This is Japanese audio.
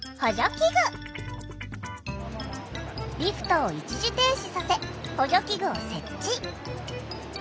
リフトを一時停止させ補助器具を設置。